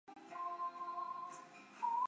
克劳德在田纳西乡下长大。